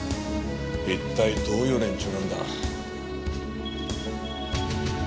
一体どういう連中なんだ。